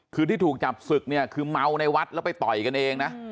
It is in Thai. คือที่ถูกจับศึกเนี่ยคือเมาในวัดแล้วไปต่อยกันเองนะ